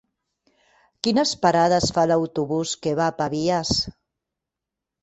Quines parades fa l'autobús que va a Pavies?